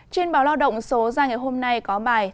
trên báo lao động số ra ngày hôm nay có bài